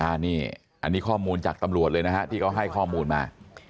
อันนี้ข้อมูลจากตำรวจเลยนะฮะที่เขาให้ข้อมูลมา